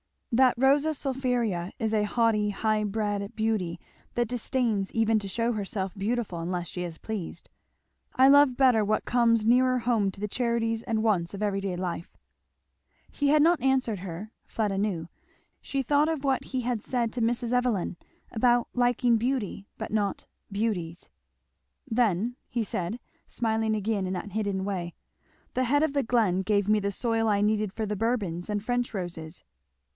"That Rosa sulphurea is a haughty high bred beauty that disdains even to shew herself beautiful unless she is pleased; I love better what comes nearer home to the charities and wants of everyday life." He had not answered her, Fleda knew; she thought of what he had said to Mrs. Evelyn about liking beauty but not beauties. "Then," said he smiling again in that hidden way, "the head of the glen gave me the soil I needed for the Bourbons and French roses."